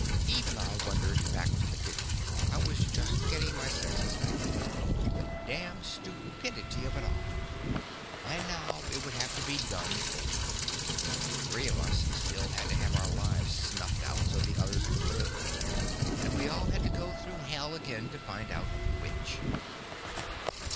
Eve and I wandered back to the kitchen. I was just getting my senses back. The damned stupidity of it all. And now it would have to be done over. Three of us still had to have our lives snuffed out so the others could live and we all had to go through hell again to find out which.